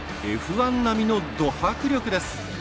１並みのド迫力です。